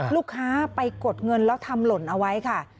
ลูกค้าไปกดเงินแล้วทำหล่นเอาไว้ค่ะ